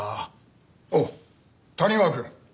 おっ谷川くん。